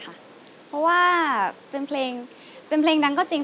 เพราะว่าเป็นเพลงเป็นเพลงดังก็จริง